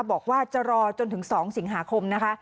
บอกว่าจะรอจนถึง๒สิงหาคมนะคะ